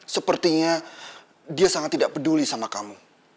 sepertinya dia sangat tidak peduli sama kamu